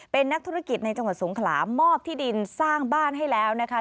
เป็นนักธุรกิจในจังหวัดสงขลามอบที่ดินสร้างบ้านให้แล้วนะคะ